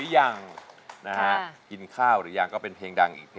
สองหมื่นบาท